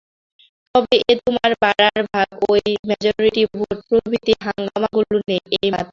তবে এত তোমার বাড়ার ভাগ ঐ মেজরিটি ভোট প্রভৃতি হাঙ্গামগুলো নেই, এই মাত্র।